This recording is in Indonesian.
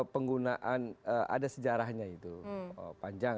penggunaan ada sejarahnya itu panjang